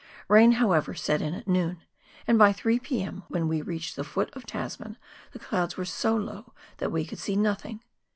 Rain, however, set in at noon, and by 3 p.m., when we reached the foot of Tasman, the clouds were so low that we could see nothing.